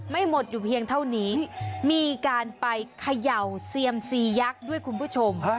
ไม่หมดอยู่เพียงเท่านี้มีการไปเขย่าเซียมซียักษ์ด้วยคุณผู้ชม